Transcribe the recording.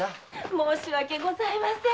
申し訳ございません。